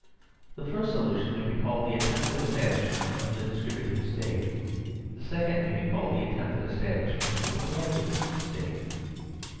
The first solution may be called the attempted establishment of the DISTRIBUTIVE STATE. The second may be called the attempted establishment of the COLLECTIVIST STATE.